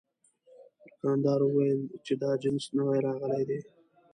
دوکاندار وویل چې دا جنس نوي راغلي دي.